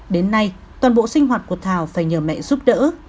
đến nay toàn bộ sinh hoạt của thảo phải nhờ mẹ giúp đỡ